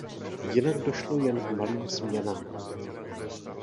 Jinak došlo jen k malým změnám.